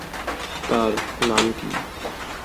তার নাম কী?